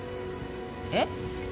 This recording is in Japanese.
えっ？